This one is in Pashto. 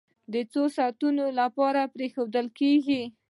د څو ساعتونو لپاره پرېښودل کېږي.